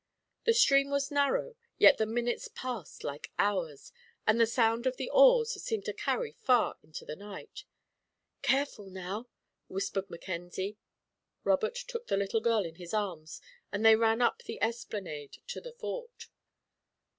The stream was narrow, yet the minutes passed like hours, and the sound of the oars seemed carried far into the night. "Careful, now," whispered Mackenzie. Robert took the little girl in his arms and they ran up the esplanade to the Fort.